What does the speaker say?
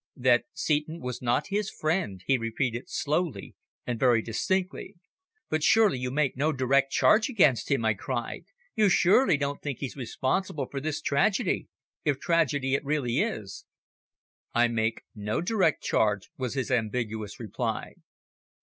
"That Seton was not his friend," he repeated slowly and very distinctly. "But surely you make no direct charge against him?" I cried. "You surely don't think he's responsible for this tragedy if tragedy it really is." "I make no direct charge," was his ambiguous reply.